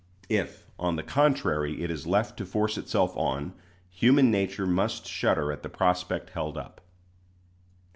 If, on the contrary, it is left to force itself on, human nature must shudder at the prospect held up."